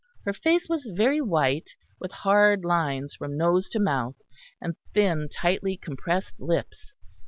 Her face was very white, with hard lines from nose to mouth, and thin, tightly compressed lips.